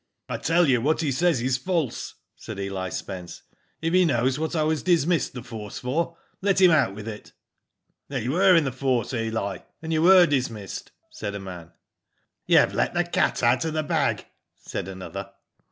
" I tell you what he says is false," said Eli Spence. " If he knows what I was dismissed the force for, let him out with it." *• Then you were in the force, Eli, and you were dismissed," said a man. " You've let the cat out of the bag," said another.